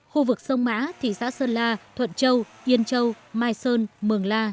khu vực sông mã thị xã sơn la thuận châu yên châu mai sơn mường la sơn la